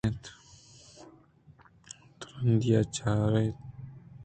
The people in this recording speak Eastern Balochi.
ترٛندیءَچاراِت اَنت